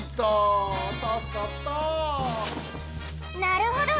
なるほど！